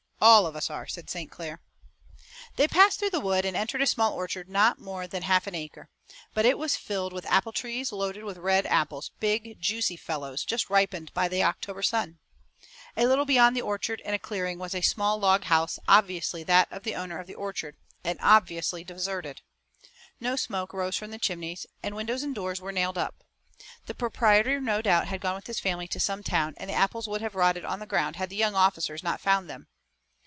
"All of us are," said St. Clair. They passed through the wood and entered a small orchard of not more than half an acre. But it was filled with apple trees loaded with red apples, big juicy fellows, just ripened by the October sun. A little beyond the orchard in a clearing was a small log house, obviously that of the owner of the orchard, and also obviously deserted. No smoke rose from the chimneys, and windows and doors were nailed up. The proprietor no doubt had gone with his family to some town and the apples would have rotted on the ground had the young officers not found them.